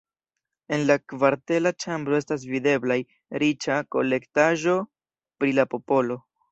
En la kartvela ĉambro estas videblaj riĉa kolektaĵo pri la popolo.